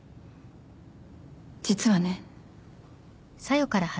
実はね。